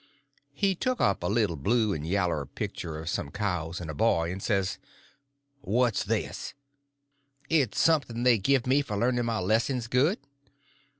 He took up a little blue and yaller picture of some cows and a boy, and says: "What's this?" "It's something they give me for learning my lessons good."